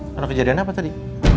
karena kejadian apa tadi